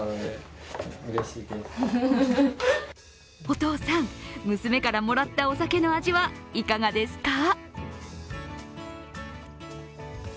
お父さん、娘からもらったお酒の味はいかがですか？